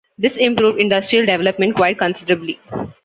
This improved industrial development quite considerably.